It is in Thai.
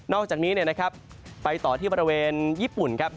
อกจากนี้นะครับไปต่อที่บริเวณญี่ปุ่นครับ